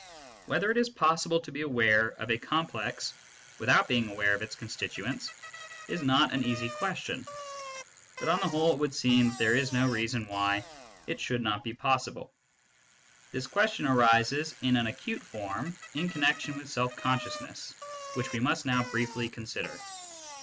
Whether it is possible to be aware of a complex without being aware of its con stituents is not an easy question, but on the whole it would seem that there is no reason why it should not be possible. This question arises in an acute form in connection with self consciousness, which we must now briefly consider.